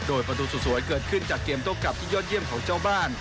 โดยประตูสวยเกิดขึ้นจากเกมโต้กลับที่ยอดเยี่ยมของเจ้าบ้าน